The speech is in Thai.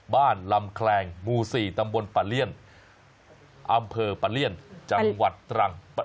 ลำแคลงหมู่๔ตำบลปะเลี่ยนอำเภอปะเลี่ยนจังหวัดตรัง